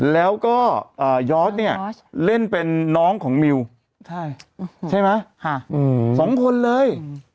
แล้วก็ยอร์จเล่นเป็นน้องของมิวใช่ไหมสองคนเลย